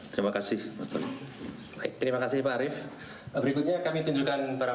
terima kasih mas tolik